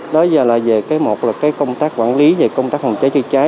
đó là về cái một là công tác quản lý về công tác phòng cháy chữa cháy